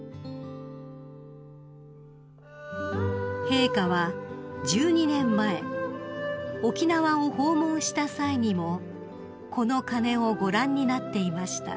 ［陛下は１２年前沖縄を訪問した際にもこの鐘をご覧になっていました］